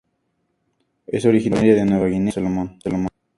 Es originaria de Nueva Guinea a islas Solomon.